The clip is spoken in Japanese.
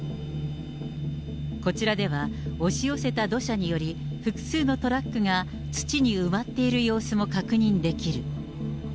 こちらでは、押し寄せた土砂により、複数のトラックが土に埋まっている様子も確認できる。